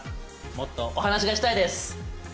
もっとお話がしたいです。